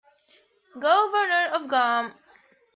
Governor of Guam.